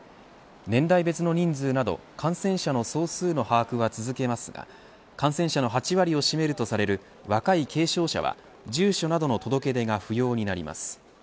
年代別の人数など感染者の総数の把握は続けますが感染者の８割を占めるとされる若い軽症者は住所などの届け出が不要になります。